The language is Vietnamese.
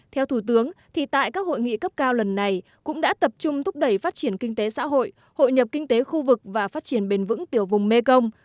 theo thủ tướng thì tại các hội nghị cấp cao lần này cũng đã tập trung thúc đẩy phát triển kinh tế xã hội hội nhập kinh tế khu vực và phát triển bền vững tiểu vùng mekong